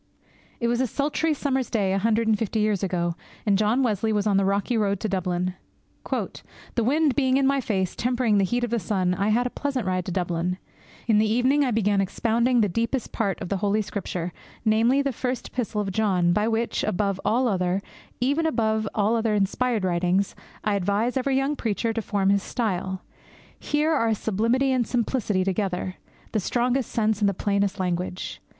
It was a sultry summer's day a hundred and fifty years ago, and John Wesley was on the rocky road to Dublin. 'The wind being in my face, tempering the heat of the sun, I had a pleasant ride to Dublin. In the evening I began expounding the deepest part of the Holy Scripture, namely, the First Epistle of John, by which, above all other, even above all other inspired writings, I advise every young preacher to form his style. Here are sublimity and simplicity together, the strongest sense and the plainest language!